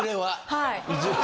はい。